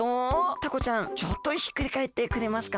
タコちゃんちょっとひっくりかえってくれますか？